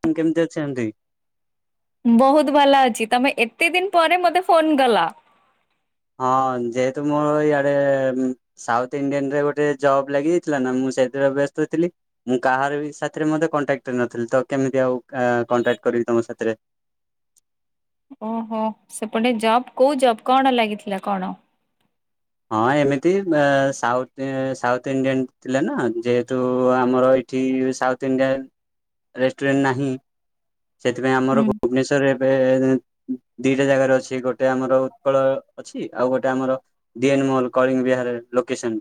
ତିମ୍ କେମିତି ଅଛିନ୍ତି? ବହୁତ ଭଲ ଅଛି। ତମେ ଏତେ ଦିନ ପରେ ମତେ ଫୋନ୍ କଲ। ହଁ, ଯେହେତୁ ମୋର ଇଆଡେ-ଏମ୍ ସାଉଥ ଇଣ୍ଡିଆନ୍ ରେ ଗୋଟେ ଜବ୍ ଲାଗିଯାଇଥିଲା ନା, ମୁଁ ସେଇଥିରେ ବ୍ୟସ୍ତ ଥିଲି। ମୁଁ କାହାର ବି ସାଥିରେ ମତେ କଣ୍ଟାକ୍ଟରେ ନଥିଲି? ତ କେମିତି ଆଉ କଣ୍ଟାକ୍ଟ କରିବି ତମ ସାଥିରେ? ଓହୋ, ସେପଟେ ଜବ୍ କୋଉ ଜବ୍ କଣ ଲାଗିଥିଲା କଣ? ହଁ, ଏମିତି ମ ସାଉଥ୍ ସାଉଥ୍ ଇଣ୍ଡିଆନ୍ ଥିଲେ ନା ଯେହେତୁ ଆମର ଇ ଠି ସାଉଥ୍ ଇଣ୍ଡିଆନ୍ ରେଷ୍ଟୁରେଣ୍ଟ ନାହିଁ। ସେଥିପାଇଁ ଆମର ହୁଁ ଭୁବନେଶ୍ୱରରେ ଏବେ-ଏଁ ଦିଟା ଜାଗାରେ ଅଛି, ଗୋଟେ ଆମର ଉତ୍କଳ ଅଛି। ଆଉ ଗୋଟେ ଆମର D N mall Kalinga Vihar location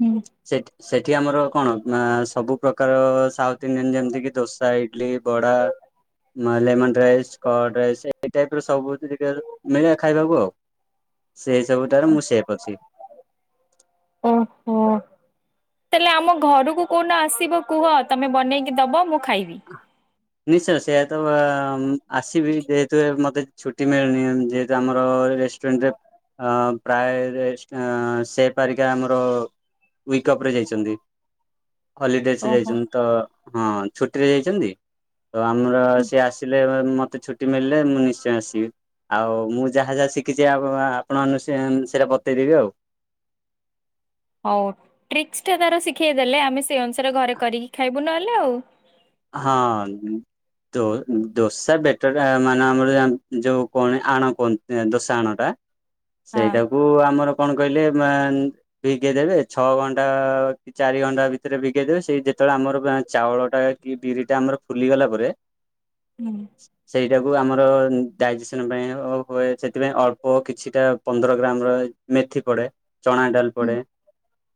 ହୁଁ ସେଠ୍ ସେଠି ଆମର କଣ? ମା ସବୁ ପ୍ରକାର ସାଉଥ୍ ଇଣ୍ଡିଆନ୍ ଯେମିତି କିି ଦୋସା ଇଡଲି ବଡ଼ା। ନହେଲେ ଲେମଣ୍ଡ ରାଇସ୍, କର୍ଡ ରାଇସ୍, ଏହି ଟାଇପ୍ ର ସବୁ ତ ଟିକେ ମିଳେ ଖାଇବାକୁ ଆଉ। ସେଇ ସବୁ ଟାରେ ମୁଁ ସେପ୍ ଅଛି। ଓହୋ! ତାହେଲେ ଆମ ଘରକୁ କଉନ ଆସିବ କୁହ? ତମେ ବନେଇକି ଦବ ମୁଁ ଖାଇବି। [inaudible] ନିଶ୍ଚୟ ସେୟା ତ-ଅ-ମ୍ ଆସିବି, ଯେହେତୁ ମତେ ଛୁଟି ମିଳୁନି। ଯେହେତୁ ଆମର ରେସ୍ ଟ୍ରେଣ୍ଡ ରେ ଆଁ ପ୍ରାୟ ରେସ୍ ସେପାରିକା ଆମର ୱିକ ଅପ୍ ରେ ଯାଇଚନ୍ତି। ହଲିଡେଚ୍ ରେ ଓହୋ। ଯାଇଛନ୍ତି ତ ହଁ ଛୁଟ୍ ଟିରେ ଯାଇଛନ୍ତି। ତ ଆମର ସିଏ ଆସିଲେ ମତେ ଛୁଟି ମଳିଲେ, ମୁଁ ନିଶ୍ଚୟ ଆସିବି। ଆଉ ମୁଁ ଯାହା ଯାହା ଶିଖିଛି, ଆପ-ଆପଣ ମାନଙ୍କୁ ସେଁ ସେଇରା ବତେଇଦେବି ଆଉ। ହଉ ଟ୍ରିକ୍ସ୍ ଟା ତାର ଶିଖେଇ ଦେଲେ, ଆମେ ସେଇ ଅନୁସାରେ ଘରେ କରିକି ଖାଇବୁ ନହେଲେ ଆଉ। ହଁ। ଦୋ-ଦୋସା ବେଟର୍ ଟା ମାନେ ଆମର ଯୋଉ କଣ ଆଣ କୁହନ୍ ଦୋସା ଆଣଟା। ହଁ ସେଇଟାକୁ ଆମର କଣ କହିଲେ? ମାନ୍ ଭିଗେଇ ଦେବେ। ଛଅ ଘଣ୍ଟା କି ଚାରି ଘଣ୍ଟା ଭିତରେ ଭିଗେଇଦବେ। ସେଇ ଯେତେବେଳେ ଆମର ଚାଉଳ ଟା ଟିଏ ବିରି ଟା ଆମର ଫୁଲିଗଲା ପରେ ହୁଁ। ସେଇଟାକୁ ଆମର ଡାଇଜେସନ୍ ପାଇଁ ହୁଏ। ସେଥିପାଇଁ ଅଳ୍ପ କିଛିଟା ପନ୍ଦର ଗ୍ରାମ ର ମେଥି ପଡ଼େ, ଚଣା ଡାଲ ହୁଁ ପଡ଼େ।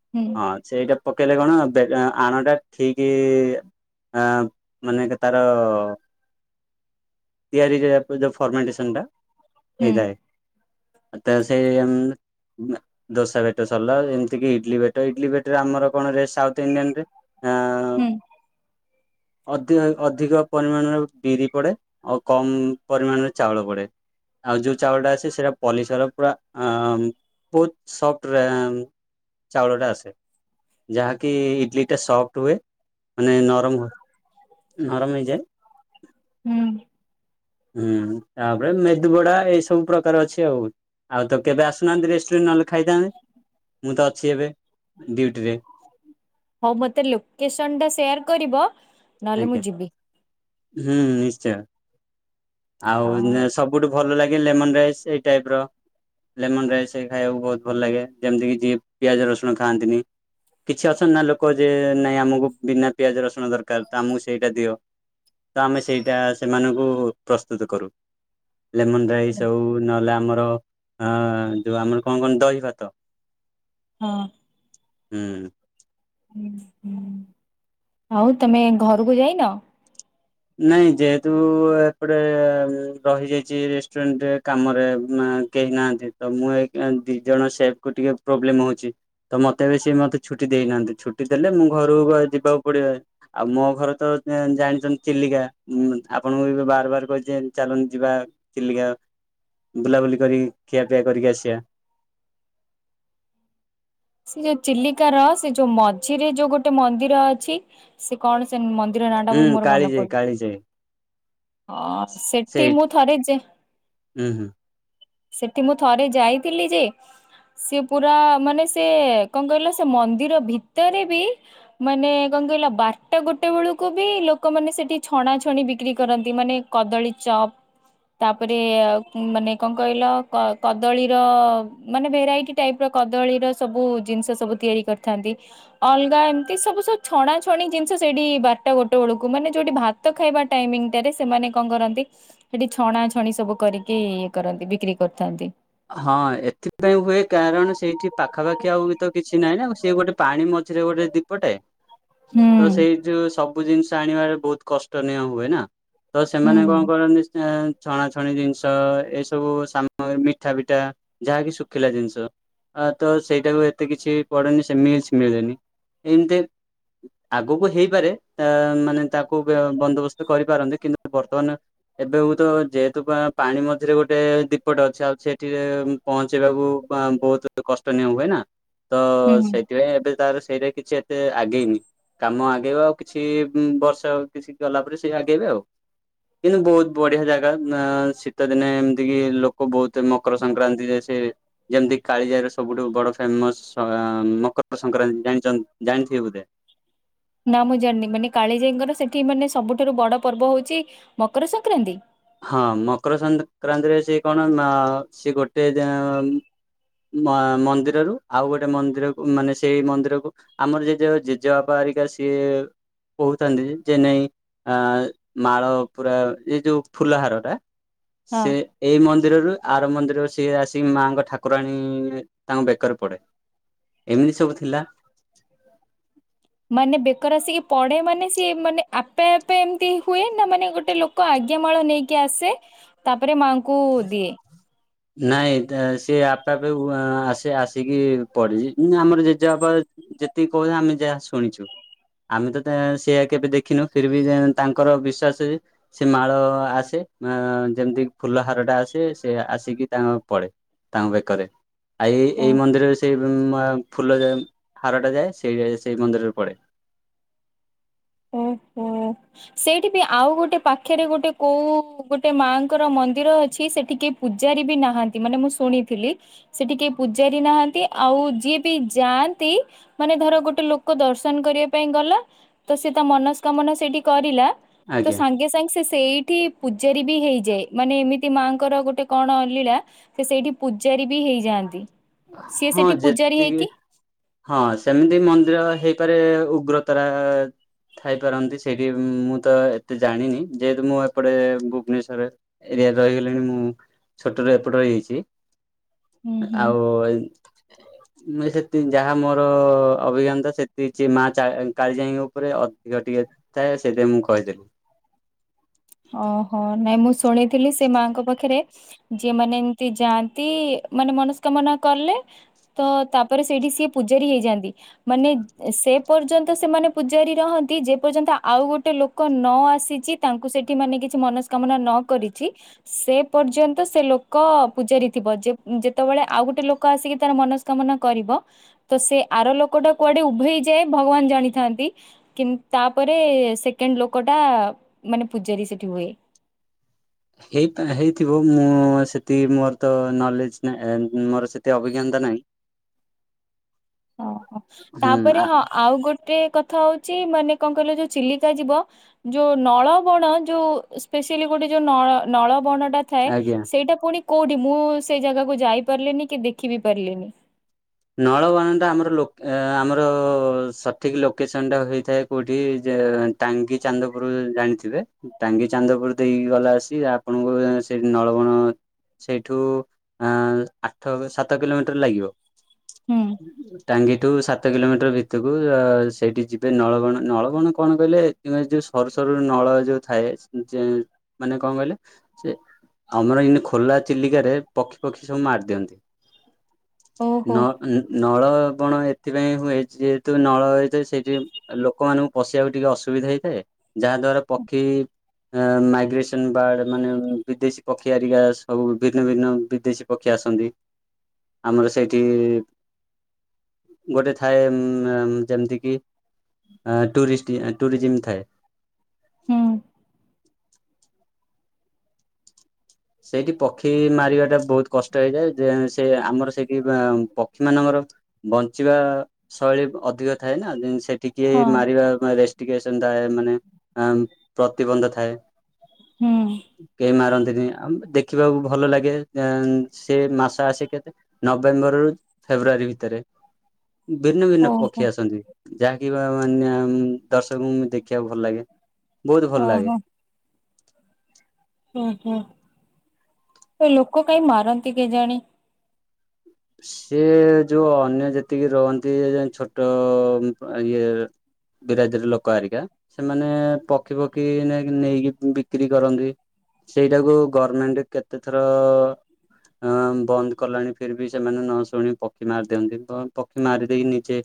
ହୁଁ। ହଁ, ସେଇଟା ପକେଇଲେ କଣ ଦେ ଆଣଟା ଠିକି-ଇ ହଁ, ମାନେ ଏକେ ତାର ତିଆରି କରିବା ଫର୍ମାଣ୍ଟେସନ ଟା ହୁଁ ହେଇଥାଏ। ଆତ ସେଇମ୍ ଦୋସା ଭେଟ ସରିଲା ଏମିତି କିି ଇଡଲି ବେଟ ଇଡଲି ବେଟରେ ଆମର କଣ ରେ ସାଉଥ ଇଣ୍ଡିଆନରେ ହଁ ହୁଁ ଅଧ ଅଧିକ ପରିମାଣରେ ବିରି ପଡେ ଆଉ କମ ପରିମାଣରେ ଚାଉଳ ପଡେ। ଆଉ ଯୋଉ ଚାଉଳଟା ଅଛି ସେଇଟା ପଲିସର ପୁରା ବହୁତ ସଫ୍ଟ ଚାଉଳଟା ଆସେ। ଯାହାକି ଇଡଲିଟା ସଫ୍ଟ ହୁଏ ମାନେ ନରମ ହୁ ନରମ ହେଇଯାଏ। [unintelligible] ହୁଁ। ହୁଁ ତାପରେ ମେଦୁବଡା ଏଇ ସବୁ ପ୍ରକାର ଅଛି ଆଉ। ଆଉ ତ କେବେ ଆସୁନାହାନ୍ତି ରେଷ୍ଟୁରାଣ୍ଟ ନହେଲେ ଖାଇଥାନ୍ତେ ମୁଁ ତ ଅଛି ଏବେ ଡ୍ୟୁଟିରେ। ହଉ ମତେ ଲୋକେସନ ଟା ସେୟାର କରିବ ନହେଲେ ମୁଁ ଆଜ୍ଞା ଯିବି। ହୁଁ ନିଶ୍ଚୟ। ଆଉ ସବୁଠୁ ଭଲ ଲାଗେ ଲେମନ ରାଇସ୍ ଏଇ ଟାଇପର। ଲେମନ ରାଇସ୍ ଖାଇବାକୁ ବହୁତ ଭଲ ଲାଗେ ଯେମିତିକି ଯିଏ ପିଆଜ ରସୁଣ ଖାଆନ୍ତିନି। କିଛି ଅଛନ୍ତି ନା ଲୋକ ଯେ ନାଇଁ ଆମକୁ ବିନା ପିଆଜ ରସୁଣ ଦରକାର ତ ଆମକୁ ସେଇଟା ଦିଅ ତ ଆମେ ସେଇଟା ସେମାନଙ୍କୁ ପ୍ରସ୍ତୁତ କରୁ ଲେମନ ରାଇସ୍ ହଉ ନହେଲେ ଆମର ହଁ ଯୋଉ ଆମର କଣ କଣ? ଦହି ଭାତ। ହଁ। ହୁଁ। [unintelligible] ଆଉ ତମେ ଘରକୁ ଯାଇନ ନାଇଁ ଯେହେତୁ ଏପଟେ ରହିଯାଇଛି ରେଷ୍ଟୁରାଣ୍ଟରେ କାମରେ କେହି ନାହାନ୍ତି ତ ମୁଁ ଦି ଜଣ ସେଫକୁ ଟିକେ ପ୍ରୋବ୍ଲେମ ହଉଛି। ତ ମତେ ବି ସେ ମତେ ଛୁଟି ଦେଇନାହାନ୍ତି ଛୁଟି ଦେଲେ ମୁଁ ଘରକୁ ଯିବାକୁ ପଡିବ। ଆଉ ମୋ ଘରେ ତ ଜାଣିଛନ୍ତି ଚିଲିକା ଆପଣଙ୍କୁ ଏବେ ବାର ବାର କହିଛି ଚାଲ ଯିବା ଚିଲିକା। ବୁଲାବୁଲି କରିକି ଖିଆପିଆ କରିକି ଆସିବା। ସେ ଯୋଉ ଚିଲିକାର ସେ ଯୋଉ ମଝିରେ ଯୋଉ ଗୋଟେ ମନ୍ଦିର ଅଛି। ସେ କଣ ସେ ମନ୍ଦିର ନାଁ ଟା ହୁଁ ମୋର ମନେ କାଳିଜାଇ ପଡୁ କାଳିଜାଇ ହଁ ସେଠି ସେଇଠି ମୁଁ ଥରେ ଯେ ହୁଁ ହୁଁ। ସେଠି ମୁଁ ଥରେ ଯାଇଥିଲି ଯେ ସିଏ ପୁରା ମାନେ ସେ କଣ କହିଲ? ସେ ମନ୍ଦିର ଭିତରେ ବି ମାନେ କଣ କହିଲା ବାରଟା ଗୋଟାଏ ବେଳକୁ ବି ଲୋକମାନେ ସେଠି ଛଣା ଛଣି ବିକ୍ରି କରନ୍ତି ମାନେ କଦଳୀ ଚପ୍। ତାପରେ ମାନେ କଣ କହିଲ କଦଳୀର ମାନେ ଭେରାଇଟି ଟାଇପର କଦଳୀର ସବୁ ଜିନିଷ ସବୁ ତିଆରି କରିଥାନ୍ତି। ଅଲଗା ଏମିତି ସବୁ ସବୁ ଛଣା ଛଣି ଜିନିଷ ସେଇଠି ବାରଟା ଗୋଟାଏ ବେଳକୁ ମାନେ ଯୋଉଠି ଭା ଭାତ ଖାଇବା ଟାଇମିରେ ସେମାନେ କଣ କରନ୍ତି? ସେଠି ଛଣା ଛଣି ସବୁ କରିକି ଇଏ କରନ୍ତି ବିକ୍ରି କରିଥାନ୍ତି। ହଁ ଏଥିପାଇଁ ହୁଏ କାରଣ ସେଇଠି ପାଖାପାଖି ଆଉ ବି ତ କିଛି ନାହିଁ ନା ସେଏ ଗୋଟିଏ ପାଣି ମଝିରେ ଗୋଟିଏ ଦୀପଟାଏ ହୁଁ ତ ସେଇ ଉ ସବୁ ଜିନିଷ ଆଣିବାରେ ବହୁତ କଷ୍ଟନୀୟ ହୁଏ ନା ତ ହୁଁ ସେମାନେ କଣ କରନ୍ତି ସେ ଛଣା ଛଣି ଜିନିଷ ଏସବୁ ସା ପିଠା ପିଠା ଯାହାକି ଶୁଖିଲା ଜିନିଷ। ଆ, ତ ସେଇଟାକୁ ଏତେ କିଛି ପଡେନି ସେମି କିଛି ମିଳେନି, ଏମିତି ଆଗକୁ ହେଇପାରେ ଏ ମାନେ ତାକୁ ବ୍ୟୟ ବନ୍ଦୋବସ୍ତ କରିପାରନ୍ତି କିନ୍ତୁ ବର୍ତ୍ତମାନ ଏବେ ହୁଏତ ଯେହେତୁ ପା ପାଣି ମଝରେ ଗୋଟେ ଦୀପଟେ ଅଛି, ଆଉ ସେ ସେଠିରେ ପହଞ୍ଚେଇବାକୁ ବାଁ ବହୁତ କଷ୍ଟନୀୟ ହୁଏନା। ତ ହୁଁ ସେଇଥିପାଇଁ ଏବେ ତାର ସେଇରେ କିଛି ସେ ଆଗେଇନି, କାମ ଆଗେଇବ ଆଉ କିଛି ବର୍ଷ କିଛି ଗଲା ପରେ ସେ ଆଗେଇବେ ଆଉ। କିନ୍ତୁ ବହୁତ ବଢ଼ିଆ ଜାଗା ନାଁ ଶୀତ ଦିନେ ଏମିତିକିି ଲୋକ ବହୁତ ମ ମକର ସଂକ୍ରାନ୍ତିରେ ସେ ଯେମିତି କାଳିଜାଇର ସବୁଠୁ ବଡ ଫେମସ୍ [unintelligible] ମକର ସଂକ୍ରାନ୍ତି ଜାଣିଚନ୍ତି ଜାଣିଥିବେ ବୋଧେ? ନା ମୁଁ ଜାଣିନି ମାନେ କାଳିଜାଇଙ୍କର ସେଠି ମାନେ ସବୁଠାରୁ ବଡ ପର୍ବ ହଉଛି ମକର ସଂକ୍ରାନ୍ତି? ହଁ ମକର ସଂକ୍ରାନ୍ତିରେ ସେ କଣ ମାଅ ସେ ଗୋଟେ [unintelligible] ମା ମନ୍ଦିରରୁ ଆଉ ଗୋଟିଏ ମନ୍ଦିରକୁ ମାନେ ସେଇ ମନ୍ଦିରକୁ ଆମର ଜେଜ ଜେଜେବାପା ହେରିକା ସିଏ କହୁଛନ୍ତି ଯେ ଚେନେଇ ଆ ମାଳ ପୁରା ଏ ଯୋଉ ଫୁଲହାରହାରଟା ହଁ ସେ ଏଇ ମନ୍ଦିରରୁ ଆର ମନ୍ଦିରରୁ ସିଏ ଆସିକି ମାଆଙ୍କ ଠାକୁରାଣୀ ତାଙ୍କ ବେକର ପଡେ। ଏମିତି ସବୁ ଥିଲା। ମାନେ ବେକର ଆସିକି ପଡେ ମାନେ ସିଏ ମାନେ ଆପେ ଆପେ ଏମତି ହୁଏ ନା ମାନେ ଗୋଟିଏ ଲୋ କ ଆଜ୍ଞା ମାଳ ନେଇକି ଆସେ ତାପରେ ମାଆଙ୍କୁ ଦିଏ। ନାଇଁ ତ ସିଏ ଆପେ ଆପେ [unintelligible] ଆସେ ଆସିକି ପଢ଼ିବି, ଉଁ ଆମର ଜେଜେବାପା ଯେତିକି କହୁ [unintelligible] ଆମେ ଯାହା ଶୁଣିଛୁ। ଆମେ ତ ତା ସେୟା କେବେ ଦେଖିନୁ, ଫିର ବି ଜେଁ ତାଙ୍କର ବିଶ୍ଵାସ ଯେ ସେ ମାଳ ଆସେ ଆ ଯେମତିକି ଫୁଲ ହାରଟା ଆସେ ସେ ଆସିକି ତାଙ୍କ ପଳେ, ତାଙ୍କ ବେକରେ ଆ ଏଇ ଓ ଏଇ ମନ୍ଦିରରେ ସେ [unintelligible] ଫୁଲ ଯାଏ ହାରଟା ଯାଏ, ସେଇଯାଏ ସେଇ ମନ୍ଦିରରେ ପଡେ। ଓହୋ। ସେଇଠି ବି ଆଉ ଗୋଟେ ପାଖରେ ଗୋଟେ କୋଉ ଗୋଟେ ମାଆଙ୍କର ମନ୍ଦିର ଅଛି, ସେଠିକି ପୂଜାରୀ ବି ନାହାନ୍ତି ମାନେ ମୁଁ ଶୁଣିଥିଲି। ସେଟି କେହି ପୂଜାରି ନାହାନ୍ତି ଆଉ ଯିଏ ବି ଯାଆନ୍ତି ମାନେ ଧର ଗୋଟେ ଲୋକ ଦର୍ଶନ କରିବା ପାଇଁ ଗଲା। ତ ସେ ତା ମନସ୍କାମନା ସେଇଠି କରିଲା, ତ ଆଜ୍ଞା ସାଙ୍ଗେ ସାଙ୍ଗେ ସେ ସେଇଠି ପୂଜାରୀ ବି ହେଇଯାଏ, ମାନେ ଏମିତି ମାଙ୍କର ଗୋଟାଏ କଣ ଲୀଳା। ସେ ସେଇଠି ପୂଜାରୀ ବି ହେଇଯାଆନ୍ତି, ସିଏ ହଁ ସେଇଠି ପୂଜାରୀ ଯେତିକି ହେଇକି ହଁ ସେମିତି ମନ୍ଦିର ହେଇପାରେ ଉଗ୍ରତାରା। ଥାଇପାରନ୍ତି ସେଇଠି ମୁଁ ତ ଏତେ ଜାଣିନି ଯେହେତୁ ମୁଁ ଏପଟେ ଭୁବନେଶ୍ୱରରେ ଏରିଆରେ ରହିଗଲିଣି ମୁଁ ଛୋଟରୁ ଏପଟ ରହିଯାଇଛି। ହୁଁ, ହୁଁ। ମୋ ଭାଇ। ମୁଁ ସେତିକି ଯାହା ମୋର ଅଭିଜ୍ଞତା ସେତିଚି ମା ଚା କାଳିଯାଇଙ୍କ ଉପରେ ଅ ଯଦି [unintelligible] ଥାଏ ସେଇଥିପାଇଁ ମୁଁ କହିଦେଲି। ଓହୋ ନାଇଁ ମୁଁ ଶୁଣିଥିଲି ସେ ମାଆଙ୍କ ପାଖରେ ଯିଏ ମାନେ ଏମିତି ଯାଆନ୍ତି ମାନେ ମନସ୍କାମନା କଲେ ତ ତାପରେ ସେଇଠି ସିଏ ପୂଜାରୀ ହେଇଯାଆନ୍ତି। ମାନେ ସେ ପର୍ଯ୍ୟନ୍ତ ସେମାନେ ପୂଜାରୀ ରହନ୍ତି ଯେ ପର୍ଯ୍ୟନ୍ତ ଆଉ ଗୋଟେ ଲୋକ ଲୋକ ନ ଆସିଛି ତାଙ୍କୁ ସେଠି ମାନେ କିଛି ମନସ୍କାମନା ନ କରିଛି ସେ ପର୍ଯ୍ୟନ୍ତ ସେ ଲୋକ ପୂଜାରୀ ଥିବ ଯେତେବେଳେ ଆଉ ଗୋଟେ ଲୋକ ଆସିକି ତାର ମନସ କାମନା କରିବ ତ ସେ ଆର ଲୋକଟା କୁଆଡେ ଉଭେଇ ଯାଏ ଭଗବାନ ଜାଣିଥାନ୍ତି କିନ୍ତ ତାପରେ ସେକେଣ୍ଡ ଲୋକ ଟା ମାନେ ପୂଜାରୀ ସେଠି ହୁଏ। ହେଇ ହେଇଥିବ ମୁଁ ସେଠି ମୋର ତ ନଲେଜ ନାଁ ମୋର ସେତି ଅଭିଜ୍ଞତା ନାହିଁ। [inaudible] ଓହୋ ହୁଁ ତାପରେ ହଁ ଆଉ ଗୋଟେ କଥା ହଉଛି ମାନେ କଣ କହିଲ ଯୋଉ ଚିଲିକା ଯିବ ଯୋଉ ନଳବଣ ଯୋଉ ସ୍ପେସିଆଲି ଗୋଟେ ଯୋଉ ନ ନଳବଣ ଟା ଥାଏ ଆଜ୍ଞା ସେଇଟା ପୁଣି କୋଉଠି ମୁଁ ସେଇ ଜାଗାକୁ ଯାଇ ପାରିଲିନି କି ଦେଖି ବି ପାରିଲିନି ନଳବଣ ଟା ଆମର ଲ ଆମର ସଠିକ ଲୋକେସନ ଟା ହେଇଥାଏ କୋଉଠି ଟାଙ୍ଗି ଚାନ୍ଦପୁର ଜାଣିଥିବେ ଟାଙ୍ଗି ଚାନ୍ଦପୁର ଦେଇକି ଗଲା ଆସି ଆପଣଙ୍କୁ ସେଠି ନଳବଣ ସେଇଠୁ ଅ ଆଠ ସାତ କିଲୋମିଟର ଲାଗିବ। ହୁଁ ଟାଙ୍ଗିଠୁ ସାତ କିଲୋମିଟର ଭିତକୁ ସେଇଠି ଯିବ। ଏବେ ନଳବଣ ନଳବଣ କଣ କହିଲେ ଯୋଉ ସରୁ ସରୁ ନଳ ଯୋଉ ଥାଏ ମାନେ କଣ କହିଲେ ସେ ଆମର ଏନ ଖୋଲା ଚିଲିକାରେ ପକ୍ଷୀ ପକ୍ଷୀ ସବୁ ମାରି ଦିଅନ୍ତି। ଓହୋ ନ ନଳବଣ ଏଥିପାଇଁ ହୁଏ ଯେହେତୁ ନଳତ ସେଇଠି ଲୋକମାନାନଙ୍କୁ ପଶିବାକୁ ଟିକେ ଅସୁବିଧା ହେଇଥାଏ ଯାହା ଦ୍ଵାରା ପକ୍ଷୀ ମାଇଗ୍ରେସନ ବାର୍ଡ ମାନେ ବିଦେଶୀ ପକ୍ଷୀ ଆରିକା ସବୁ ଭିନ୍ନ ଭିନ୍ନ ବିଦେଶୀ ପକ୍ଷୀ ଆସନ୍ତି ଆମର ସେଇଠ [unintelligible] ଗୋଟେ ଥାଏ ଯେମିତି କିି ଟୁରିଷ୍ଟ ଟୁରିଜିମ ଥାଏ। ହୁଁ। ସେଇଠି ପକ୍ଷୀ ମାରିବାଟା ବହୁତ କଷ୍ଟ ହେଇଯାଏ ଯେ ସେ ଆମର ସେଇଠି ପକ୍ଷୀ ମାନଙ୍କର ବଞ୍ଚିବା ଶୈଳୀ ଅଧିକ। ଥାଏ ନା ସେଠିକି ହଁ ମାରିବା ରେଷ୍ଟ୍ରିକେସନ ଥାଏ ମାନେ ପ୍ରତିବନ୍ଧ ଥାଏ ହୁଁ କେହି ମାରନ୍ତିନି। ଆ ଦେଖିବାକୁ ଭଲ ଲାଗେ ସେ ମାସ ଆସେ କେତେ ନଭେମ୍ବରରୁ ଫେବୃଆାରୀ ଭିତରେ ଭିନ୍ନ ଭିନ୍ନ ଓହୋ। ପକ୍ଷୀ ଆସନ୍ତି। ଯାହାକି ଉଁ ମାନ ମାନେ ଦର୍ଶକଙ୍କୁ ଦେଖିବାକୁ ଭଲ ଲାଗେ ବହୁତ ଭଲ ଲାଗେ। ଓହୋ [unintelligible] ହୋ ଲୋକ କାଇଁ ମାରନ୍ତି କେଜାଣି? [unintelligible] ସେି ଯୋଉ ଅନ୍ୟ ଯେତିକି ରହନ୍ତି ଛୋଟ ଇଏ ବିରାଦିର ଲୋକ ଆରିକା ସେମାନେ ପକ୍ଷୀ ପକ୍ଷୀ ନେଇକି ବିକ୍ରି କରନ୍ତି। ସେଇଟାକୁ ଗଭର୍ଣମେଣ୍ଟ କେତେ ଥର ବନ୍ଦ କଲାଣି ଫିର ବି ସେମାନେ ନ ଶୁଣି ପକ୍ଷୀ ମାରି ଦିଅନ୍ତି ପକ୍ଷୀ ମାରିଦେଇକି ନିଜେ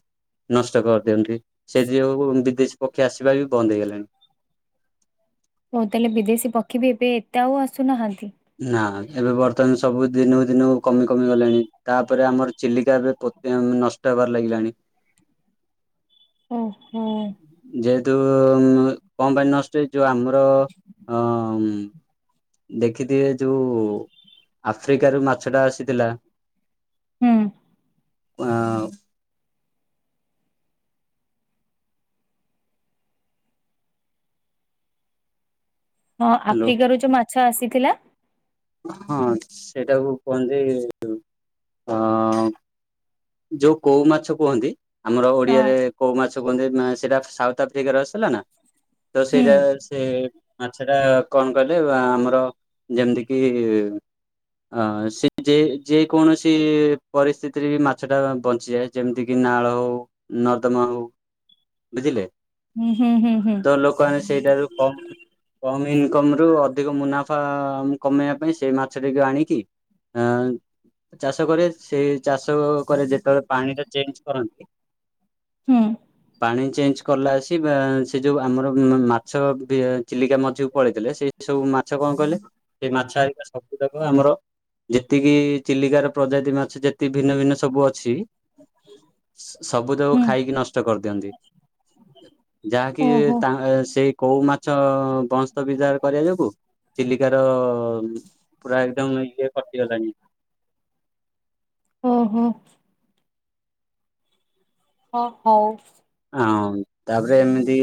ନଷ୍ଟ କରିଦିଅନ୍ତି ସେଥି ଯୁଁ ବିଦେଶୀ ପକ୍ଷୀ ଆସିବା ବି ବନ୍ଦ ହେଇଗଲାଣି। ହଉ ତାହେଲେ ବିଦେଶୀ ପକ୍ଷୀ ବି ଏବେ ଏତେ ଆଉ ଆସୁନାହାନ୍ତି। ନା ଏବେ ବର୍ତ୍ତମାନ ସବୁ ଦିନକୁ ଦିନ କମି କମି ଗଲେଣି ତାପରେ ଆମର ଚିଲିକା ଏବେ ନଷ୍ଟ ହେବାର ଲାଗିଲାଣି। ହୁଁ ହୁଁ। ଯେହେତୁ କଣ ପାଇଁ ନଷ୍ଟେ ଯୋଉ ଆମର ଅ ଦେଖିଥିବେ ଯଉ ଆଫ୍ରିକାରୁୁ ମାଛଟା ଆସିଥିଲା। ହୁଁ। ଅ [inaudible] ହଁ ହ୍ୟାଲୋ ଆଫ୍ରିକାରୁ ଯଉ ମାଛ ଆସିଥିଲା। ହଁ ସେଟାକୁ କୁହନ୍ତି ଅ ଯଉ କଉ ମାଛ କୁହନ୍ତି ଆମର ହଁ ଓଡ଼ିଆରେ। କଉ ମାଛ କୁହନ୍ତି ସେଇଟା ସାଉଥ ଆଫ୍ରିକାରୁ ଆସିଥିଲା ନା ତ ହୁଁ ସେଇଟା ସେ ମାଛଟା କଣ କଲୁ ଆମର ଯେମିତି କିି ଅ ସେମିତି ଯେ କୌଣସି ପରିସ୍ଥିତିରେ ବି ମା ସେଟା ବଞ୍ଚିଯାଏ ଯେମିତିକି ନାଳ ହଉ, ନର୍ଦ୍ଦମା ହଉ ବୁଝିଲେ। ହୁଁ ହୁଁ ହୁଁ ହୁଁ। ତ ଲୋକମାନେ ସେଇଟାକୁ କମ୍ କମ୍ ଇନକମ୍ ରୁ ଅଧିକ ମୁନାଫା କମେଇବା ପାଇଁ ସେଇ ମାଛଟିକୁ ଆଣିକି ଅ ଚାଷ କରେ ସେ ଚାଷ ପରେ ଯେତେବେଳେ ପାଣି ଟା ଚେଞ୍ଜ କରନ୍ତି ହୁଁ। [inaudible] ପାଣି ଚେଞ୍ଜ କଲା ଆସି ସେ ଯେଉଁ ଆମର ମାଛ ଚିଲିକା ମଝିକୁ ପଳେଇଥିଲେ ସେଇ ଏ ସବୁ ମାଛ କଣ କଲେ? ସେ ମାଛ ହାରିକା ସବୁ ଯାକ ଆମର ଯେତିକି ଚିଲିକାର ପ୍ରଜାତି ମାଛ ଯେତିକି ଭିନ୍ନ ଭିନ୍ନ ସବୁ ଅଛି ସବୁଯାକ ହୁଁ। ଖାଇକି ନଷ୍ଟ କରିଦିଅନ୍ତି। ଯାହାକି ଓହୋ ସେଇ କଉ ମାଛ ବଂଶ ବିସ୍ଥାର କରିବା ତାକୁ। ଚିଲିକା ର ପୁରା ଏକଦମ୍ ଇଏ କଟିଗଲାଣି। ହଁ ହଁ। ହଁ ହଉ। ହଁ ତାପରେ ଏମିତି